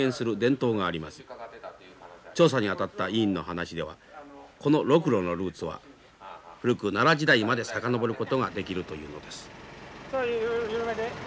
調査にあたった委員の話ではこのロクロのルーツは古く奈良時代まで遡ることができるというのです。